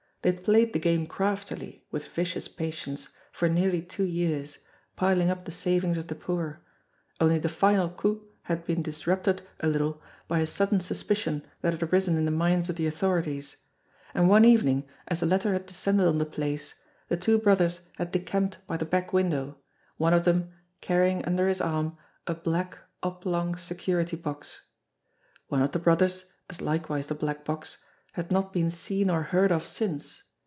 They had played the game craftily, with vicious patience, for nearly two years, piling up the savings of the poor only the final coup had been disrupted a little by a sudden suspicion that had arisen in the minds of the authorities. And one evening, as the latter had descended on the place, the THE PIECES OF A PUZZLE 239 two brothers had decamped by the back window, one of them carrying under his arm a black, oblong security box. One of the brothers, as likewise the black box, had not been seen or heard of since.